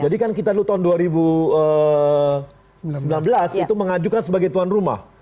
jadi kan kita dulu tahun dua ribu sembilan belas itu mengajukan sebagai tuan rumah